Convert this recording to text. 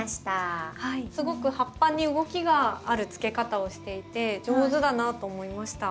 すごく葉っぱに動きがあるつけ方をしていて上手だなと思いました。